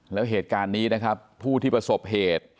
แล้วเหตุการณ์นี้นะครับผู้ที่ประสบเหตุ